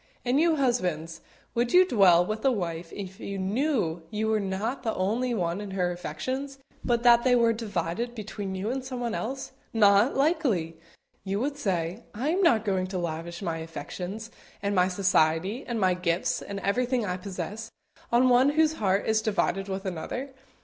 And you husbands, would you dwell with a wife if you knew you were not the only one in her affections, but that they were divided between you and someone else? "Not likely!" you would say; "I am not going to lavish my affections, and my society, and my gifts, and everything I possess, on one whose heart is divided with another.